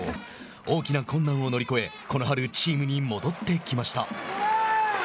大きな困難を乗り越えこの春、チームに戻ってきました。